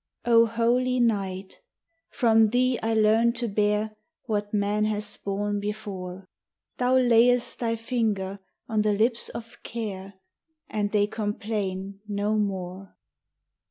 O holy Night! from thee I learn to bear What man has borne before! Thou layest thy finger on the lips of Care, And they complain no more.